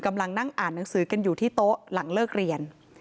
กำลังนั่งอ่านหนังสือกันอยู่ที่โต๊ะหลังเลิกเรียน